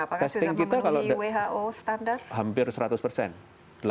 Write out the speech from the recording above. apakah sudah memenuhi who standar